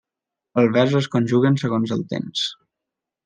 Els verbs es conjuguen segons el temps.